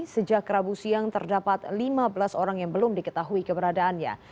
sejak rabu siang terdapat lima belas orang yang belum diketahui keberadaannya